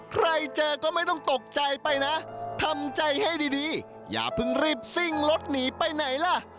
ใครเจอก็ไม่ต้องตกใจไปนะทำใจให้ดีอย่าเพิ่งรีบซิ่งรถหนีไปไหนล่ะ